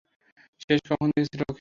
শেষ কখন দেখেছিলে ওকে?